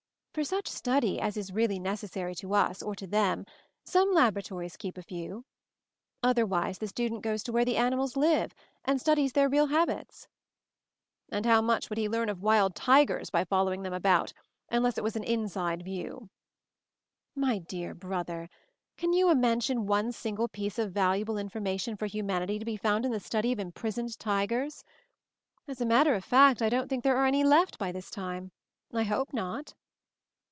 "For such study as is really necessary to us, or to them, some laboratories keep a few. Otherwise, the student goes to where the animals live and studies their real habits." "And how much would he learn of wild tigers by following them about — unless it was an inside view?" "My dear brother, can you mention one single piece of valuable information for hu manity to be found in the study of impris oned tigers? As a matter of fact, I don't think there are any left by this time ; I hope not."